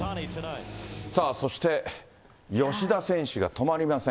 そして吉田選手が止まりません。